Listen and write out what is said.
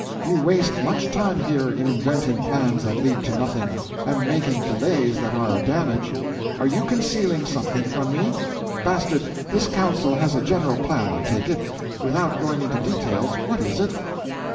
You waste much time here in inventing plans that lead to nothing, and making delays that are a damage. Are you concealing something from me? Bastard, this council has a general plan, I take it; without going into details, what is it?"